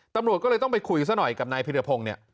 ตำรวจก็เลยต้องไปคุยซะหน่อยกับนายพิรพงศ์เนี่ย